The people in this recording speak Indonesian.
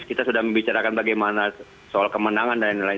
kita sudah membicarakan bagaimana soal kemenangan dan lain lain